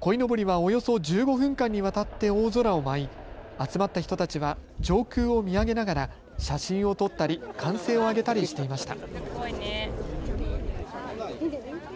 こいのぼりはおよそ１５分間にわたって大空を舞い集まった人たちは上空を見上げながら写真を撮ったり歓声を上げたりしていました。